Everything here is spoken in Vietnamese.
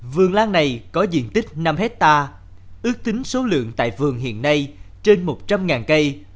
vườn lan này có diện tích năm hectare ước tính số lượng tại vườn hiện nay trên một trăm linh cây